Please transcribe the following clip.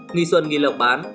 nghị xuân nghị lộc bán